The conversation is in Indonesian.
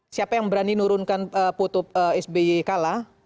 siapa yang berani nurunkan putu sby kalah